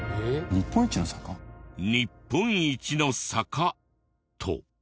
「日本一の坂」と。